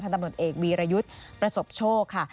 ตำรวจเอกวีรยุทธ์ประสบโชคค่ะ